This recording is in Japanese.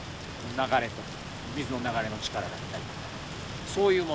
流れとか水の流れの力だったりとかそういうもの。